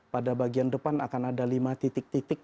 pada bagian depan akan ada lima titik titik